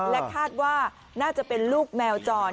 และคาดว่าน่าจะเป็นลูกแมวจร